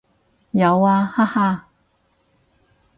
有啊，哈哈